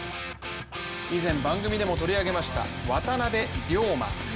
以前、番組でも取り上げました渡邊凌磨。